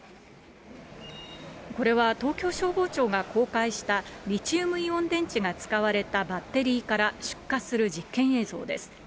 これは東京消防庁が公開したリチウムイオン電池が使われたバッテリーから出火する実験映像です。